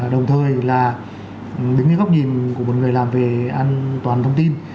đồng thời là đứng cái góc nhìn của một người làm về an toàn thông tin